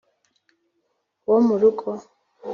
Wo mu rugo